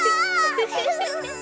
フフフフ。